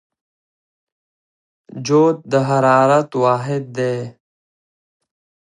جوت د حرارت واحد دی.